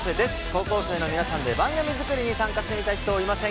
高校生の皆さんで番組作りに参加してみたい人いませんか？